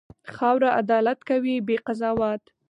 خاوره عدالت کوي، بې قضاوت.